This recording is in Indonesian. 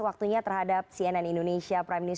waktunya terhadap cnn indonesia prime news